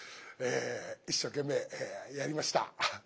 一生懸命やりました。